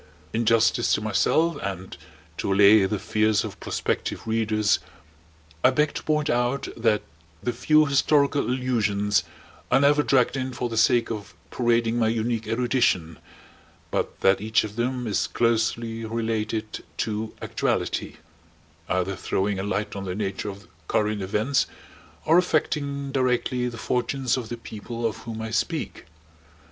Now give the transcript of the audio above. In justice to myself, and to allay the fears of prospective readers, I beg to point out that the few historical allusions are never dragged in for the sake of parading my unique erudition, but that each of them is closely related to actuality; either throwing a light on the nature of current events or affecting directly the fortunes of the people of whom I speak.